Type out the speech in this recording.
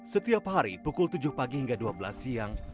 setiap hari pukul tujuh pagi hingga dua belas siang